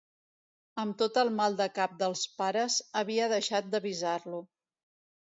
Amb tot el mal de cap dels pares, havia deixat d'avisar-lo.